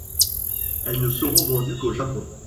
Elles ne seront vendues qu'au Japon.